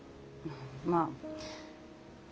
まあ。